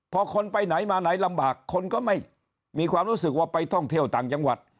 พอคนไปไหนมาไหนลำบากคนก็ไม่มีความรู้สึกว่าไปท่องเที่ยวต่างจังหวัด